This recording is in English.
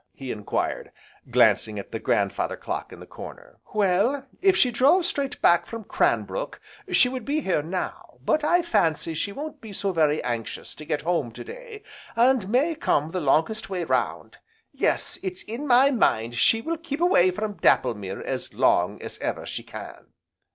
he enquired, glancing at the grandfather clock in the corner. "Well, if she drove straight back from Cranbrook she would be here now, but I fancy she won't be so very anxious to get home to day, and may come the longest way round; yes, it's in my mind she will keep away from Dapplemere as long as ever she can."